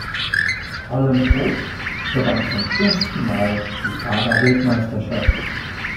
Alain Prost gewann zum ersten Mal die Fahrer-Weltmeisterschaft.